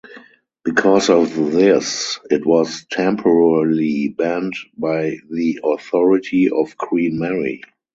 Because of this it was temporarily banned by the authority of Queen Mary.